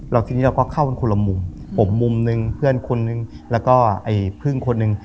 แล้วทีนี้เราก็เข้ากันคนละมุมผมมุมนึงเพื่อนคนนึงแล้วก็ไอ้พึ่งคนหนึ่ง